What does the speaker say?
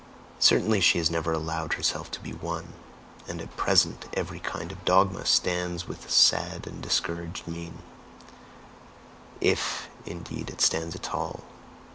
Certainly she has never allowed herself to be won; and at present every kind of dogma stands with sad and discouraged mien IF, indeed, it stands at all!